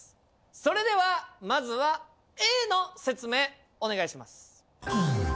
それではまずはＡの説明お願いします。